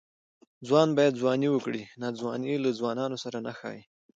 ځوان باید ځواني وکړي؛ ناځواني له ځوانانو سره نه ښايي.